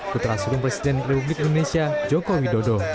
kutra surung presiden republik indonesia jokowi dodo